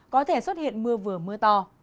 có thể xuất hiện mưa vừa mưa to